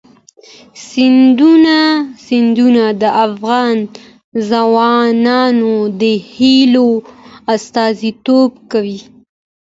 سیندونه د افغان ځوانانو د هیلو استازیتوب کوي.